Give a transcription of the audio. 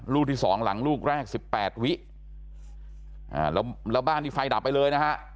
ลูกที่๒หลังลูกแรก๑๘วิแล้วบ้านที่ไฟดับไปเลยนะฮะ